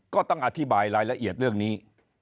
ก็ต้องอธิบายรายละเอียดเรื่องนี้